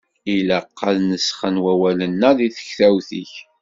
Ilaq ad nesxen wawalen-a deg tektawt-ik.